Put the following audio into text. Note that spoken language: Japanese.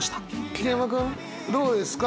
桐山君どうですか？